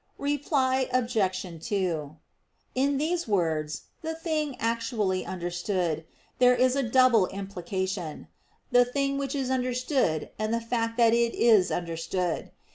Reply Obj. 2: In these words "the thing actually understood" there is a double implication the thing which is understood, and the fact that it is understood.